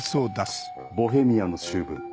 『ボヘミアの醜聞』。